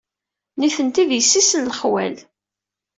Nitenti d yessi-s n lexwal.